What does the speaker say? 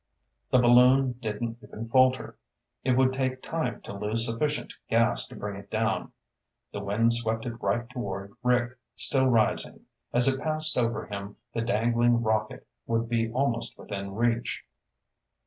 The balloon didn't even falter. It would take time to lose sufficient gas to bring it down. The wind swept it right toward Rick, still rising. As it passed over him, the dangling rocket would be almost within reach.